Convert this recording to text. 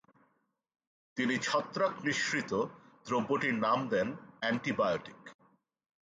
তিনি ছত্রাক-নিঃসৃত দ্রব্যটির নাম দেন অ্যান্টিবায়োটিক।